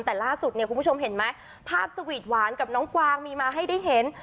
แต่ล่าสุดเนี่ยคุณผู้ชมเห็นไหมภาพสวีทหวานกับน้องกวางมีมาให้ได้เห็น